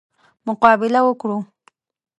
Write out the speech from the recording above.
مقابله وکړو.